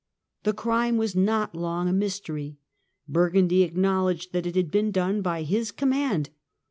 The crime was not long a mystery ; Burgundy acknowledged that it had been done by his command.